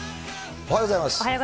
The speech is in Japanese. おはようございます。